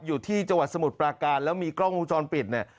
อยู่ที่จังหวัดสมุทรปราการแล้วมีกล้องวงจรปิดเนี่ย